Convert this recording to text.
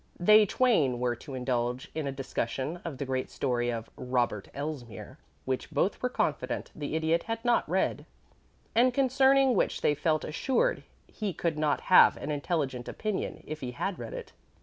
They twain were to indulge in a discussion of the great story of Robert Elsmere, which both were confident the Idiot had not read, and concerning which they felt assured he could not have an intelligent opinion if he had read it.